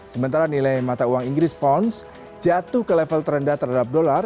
sementara nilai mata uang inggris ponds jatuh ke level terendah terhadap dolar